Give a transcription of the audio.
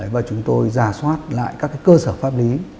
và chúng tôi giả soát lại các cơ sở pháp lý